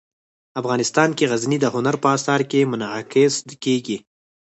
افغانستان کې غزني د هنر په اثار کې منعکس کېږي.